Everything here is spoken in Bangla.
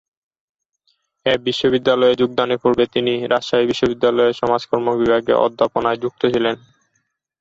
এ বিশ্ববিদ্যালয়ে যোগদানের পূর্বে তিনি রাজশাহী বিশ্ববিদ্যালয়ের সমাজকর্ম বিভাগে অধ্যাপনায় নিযুক্ত ছিলেন।